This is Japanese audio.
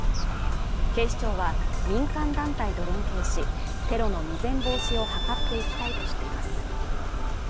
警視庁は民間団体と連携し、テロの未然防止を図っていきたいとしています。